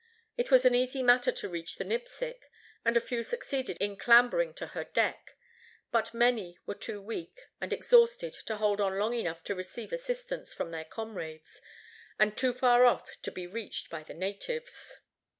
It was an easy matter to reach the Nipsic, and a few succeeded in clambering to her deck; but many were too weak and exhausted to hold on long enough to receive assistance from their comrades, and too far off to be reached by the natives.